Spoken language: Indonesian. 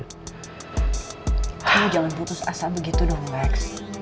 kamu jangan putus asa begitu dong lex